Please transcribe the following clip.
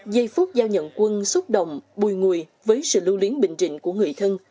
giây phút giao nhận quân xúc động bùi ngùi với sự lưu luyến bình trịnh của người thân